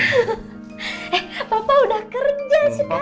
eh papa udah kerja sekarang